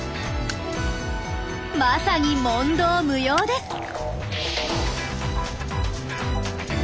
まさに問答無用です。